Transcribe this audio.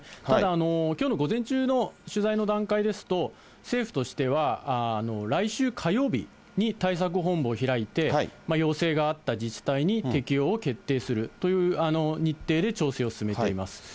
ただ、きょうの午前中の取材の段階ですと、政府としては、来週火曜日に対策本部を開いて、要請があった自治体に適用を決定するという日程で調整を進めています。